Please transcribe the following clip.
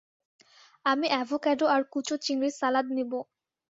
আমি এভোক্যাডো আর কুচো চিংড়ির সালাদ নিবো।